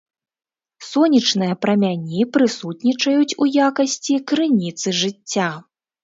Сонечныя прамяні прысутнічаюць у якасці крыніцы жыцця.